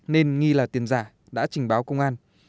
nên nghi là tiền giả đã trình báo công an